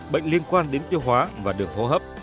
bệnh liên quan đến tiêu hóa và đường hô hấp